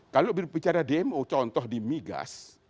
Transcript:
kalau bicara dmo contoh di migas